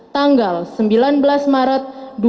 tanggal sembilan belas maret dua ribu delapan belas